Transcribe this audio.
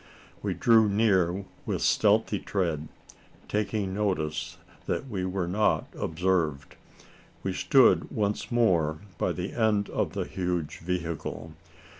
We drew near with stealthy tread, taking notice that we were not observed. We stood once more by the end of the huge vehicle.